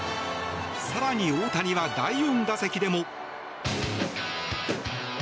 更に大谷は第４打席でも。